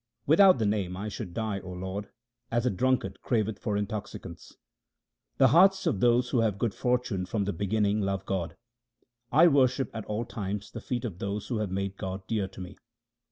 Without the Name I should die, O my Lord, as a drunkard craveth for intoxicants. 1 The hearts of those who have good fortune from the beginning love God. 1 worship at all times the feet of those who have made God dear to me.